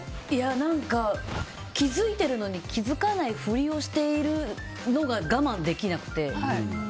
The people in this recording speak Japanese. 何か、気づいているのに気づかないふりをしているのが我慢できなくて。